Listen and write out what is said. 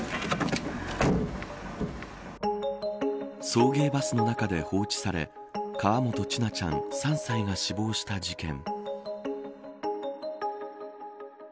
送迎バスの中で放置され河本千奈ちゃん、３歳が死亡した事件。